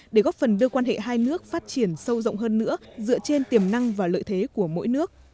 để góp phần đưa quan hệ hai nước phát triển sâu rộng hơn nữa dựa trên tiềm năng và lợi thế của mỗi nước